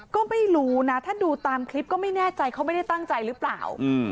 ก็ไม่รู้นะถ้าดูตามคลิปก็ไม่แน่ใจเขาไม่ได้ตั้งใจหรือเปล่า